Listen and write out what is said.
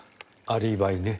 アリバイね。